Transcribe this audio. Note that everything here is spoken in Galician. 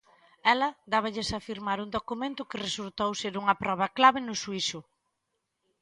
Ela dáballes a firmar un documento que resultou ser unha proba clave no xuízo.